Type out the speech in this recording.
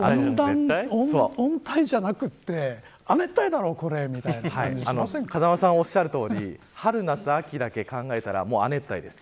温帯じゃなくて亜熱帯だろこれ、みた風間さんが、おっしゃるとおり春、夏、秋だけ考えたら亜熱帯です。